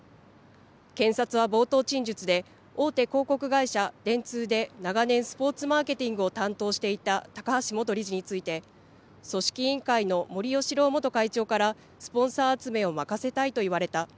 検察は冒頭陳述で大手広告会社、電通で長年、スポーツマーケティングを担当していた高橋元理事について組織委員会の森喜朗元会長からスポンサー集めを任せたいと言われた。